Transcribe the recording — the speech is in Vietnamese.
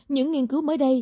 những nghiên cứu mới đây